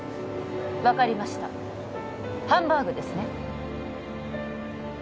分かりましたハンバーグですね